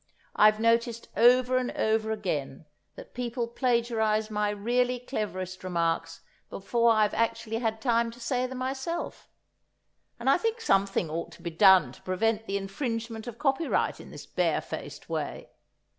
I've noticed over and over again that people plagiarize my really cleverest remarks before I've actually had time to say them myself; and I think something ought to be done to prevent the infringement of copyright in this barefaced way.